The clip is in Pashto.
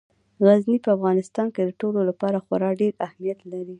غزني په افغانستان کې د ټولو لپاره خورا ډېر اهمیت لري.